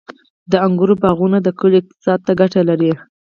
• د انګورو باغونه د کلیو اقتصاد ته ګټه لري.